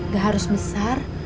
gak harus besar